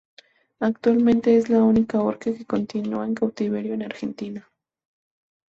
Actualmente es la única orca que continúa en cautiverio en Argentina.